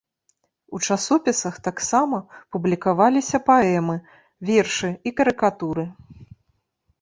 У часопісах таксама публікаваліся паэмы, вершы і карыкатуры.